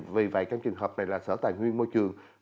vì vậy trong trường hợp này là sở tài nguyên môi trường